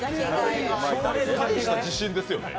大した自信ですよね。